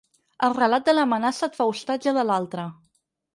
El relat de l’amenaça et fa ostatge de l’altre.